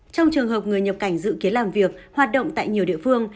trong trường hợp người nhập cảnh dự kiến làm việc hoạt động tại nhiều địa phương